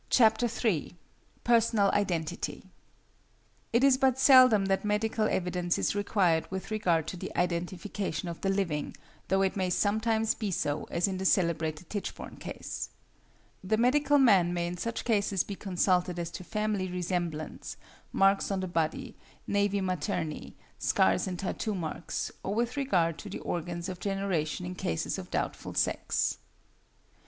PERSONAL IDENTITY It is but seldom that medical evidence is required with regard to the identification of the living, though it may sometimes be so, as in the celebrated Tichborne case. The medical man may in such cases be consulted as to family resemblance, marks on the body, nævi materni, scars and tattoo marks, or with regard to the organs of generation in cases of doubtful sex.